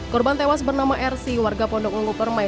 korban tewas bernama rc warga pondok ungu permai